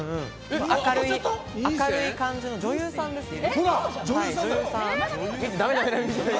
明るい感じの女優さんですね。